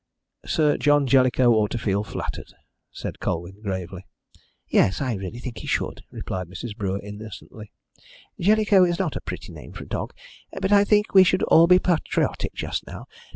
"Sir John Jellicoe ought to feel flattered," said Colwyn gravely. "Yes, I really think he should," replied Mrs. Brewer innocently. "Jellicoe is not a pretty name for a dog, but I think we should all be patriotic just now.